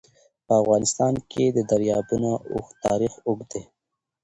په افغانستان کې د دریابونه تاریخ اوږد دی.